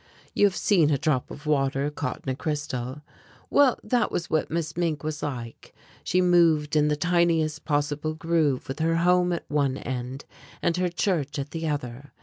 You have seen a drop of water caught in a crystal? Well, that was what Miss Mink was like. She moved in the tiniest possible groove with her home at one end and her church at the other.